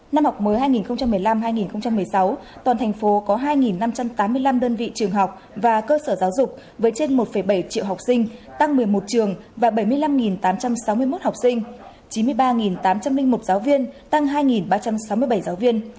năm học mới hai nghìn một mươi năm hai nghìn một mươi sáu toàn thành phố có hai năm trăm tám mươi năm đơn vị trường học và cơ sở giáo dục với trên một bảy triệu học sinh tăng một mươi một trường và bảy mươi năm tám trăm sáu mươi một học sinh chín mươi ba tám trăm linh một giáo viên tăng hai ba trăm sáu mươi bảy giáo viên